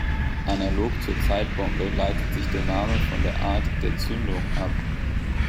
Analog zur Zeitbombe leitet sich der Name von der Art der „Zündung“ ab.